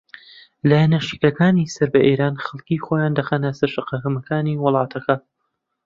لایەنە شیعەکانی سەر بە ئێران خەڵکی خۆیان دەخەنە سەر شەقامەکانی وڵاتەکە